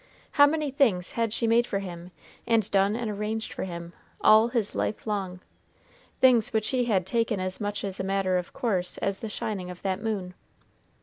How many things had she made for him, and done and arranged for him, all his life long! things which he had taken as much as a matter of course as the shining of that moon.